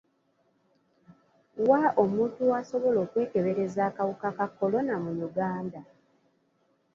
Wa omuntu w'asobola okwekebereza akawuka ka kolona mu Uganda?